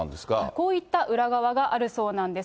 こういった裏側があるそうなんです。